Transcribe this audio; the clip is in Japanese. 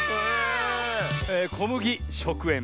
こむぎしょくえん